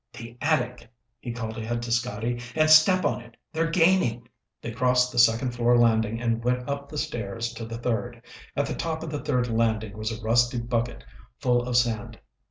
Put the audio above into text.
"The attic," he called ahead to Scotty, "and step on it! They're gaining!" They crossed the second floor landing and went up the stairs to the third. At the top of the third landing was a rusty bucket, full of sand.